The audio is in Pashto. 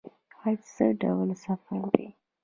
حج څه ډول سفر دی؟